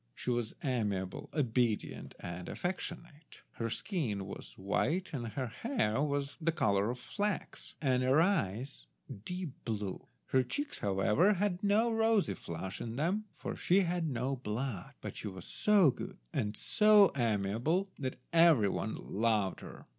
She was amiable, obedient, and affectionate. Her skin was white, her hair the colour of flax, and her eyes deep blue; her cheeks, however, had no rosy flush in them, for she had no blood, but she was so good and so amiable that every one loved her.